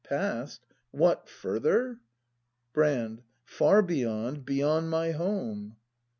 Past ? What, further ? Brand. Far Beyond, beyond my home.